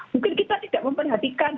mungkin kita tidak memperhatikan